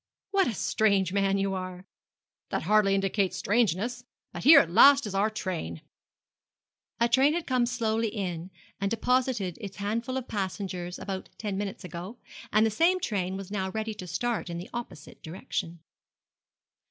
'What a strange man you are!' 'That hardly indicates strangeness. But here at last is our train.' A train had come slowly in and deposited its handful of passengers about ten minutes ago, and the same train was now ready to start in the opposite direction.